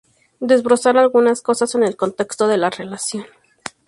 desbrozar algunas cosas, en el contexto de la relación